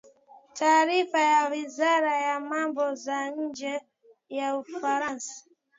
taarifa ya wizara ya mambo za nje ya ufaransa